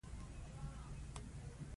میکا د خپل نفس نه راضي دی.